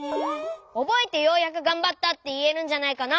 おぼえてようやくがんばったっていえるんじゃないかな？